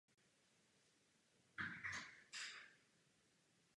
Poté ještě následovala menší vystoupení v Německu.